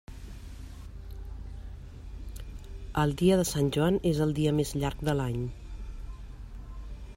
El dia de Sant Joan és el dia més llarg de l'any.